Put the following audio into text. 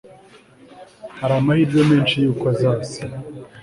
Hari amahirwe menshi yuko azaza